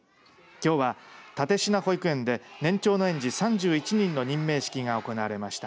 きょうは、たてしな保育園で年長園児３１人の任命式が行われました。